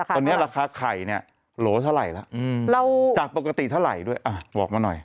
ตอนนี้ราคาไข่เนี่ยโหลเท่าไหร่แล้วจากปกติเท่าไหร่ด้วยอ่ะบอกมาหน่อย